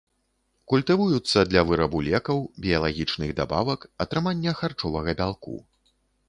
Культывуюцца для вырабу лекаў, біялагічных дабавак, атрымання харчовага бялку.